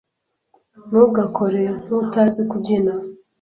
Ntugakore nkutazi kubyina.